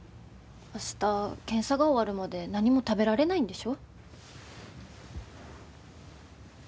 明日検査が終わるまで何も食べられないんでしょ？